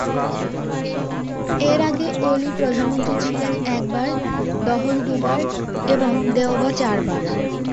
এর আগে ওলি প্রধানমন্ত্রী ছিলেন একবার, দহল দুবার এবং দেওবা চারবার।